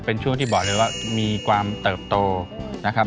เป็นช่วงที่บอกเลยว่ามีความเติบโตนะครับ